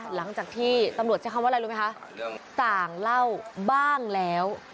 หลังจากที่ตำรวจใช้คำว่าอะไรรู้ไหมคะต่างเล่าบ้างแล้ว